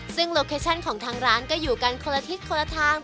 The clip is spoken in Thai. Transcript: ซึ่งโลเคชั่นของทางร้านก็อยู่กันคนละทิศคนละทาง